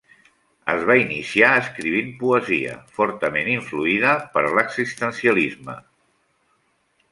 Es va iniciar escrivint poesia, fortament influïda per l'existencialisme.